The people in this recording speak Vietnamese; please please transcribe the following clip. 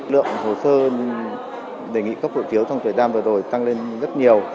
lượng hồ sơ đề nghị cấp hộ chiếu trong thời gian vừa rồi tăng lên rất nhiều